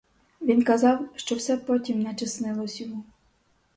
Він казав, що все потім наче снилось йому.